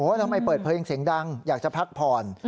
ทำไมเปิดเพลงเสียงดังอยากจะพักผ่อน